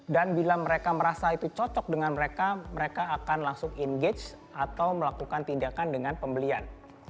dan bila mereka merasa itu cocok dengan mereka mereka akan langsung engage atau melakukan tindakan dengan pembelian